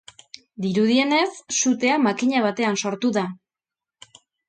Dirudienez, sutea makina batean sortu da.